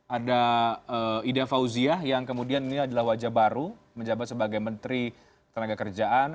ada ida fauziah yang kemudian ini adalah wajah baru menjabat sebagai menteri tenaga kerjaan